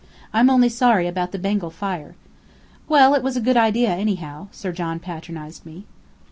I'm only sorry about the Bengal fire." "Well, it was a good idea, anyhow," Sir John patronized me.